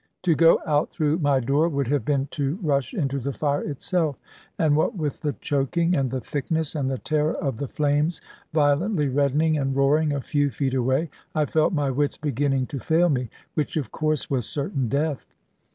To go out through my door would have been to rush into the fire itself; and what with the choking, and the thickness, and the terror of the flames violently reddening and roaring a few feet away, I felt my wits beginning to fail me, which of course was certain death.